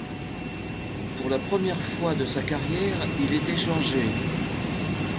Pour la première fois de sa carrière, il est échangé.